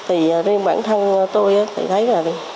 thì riêng bản thân tôi thì thấy là phải làm gương